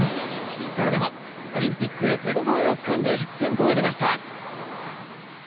それでもオリンピックへ手応えをつかんだ一戦となりました。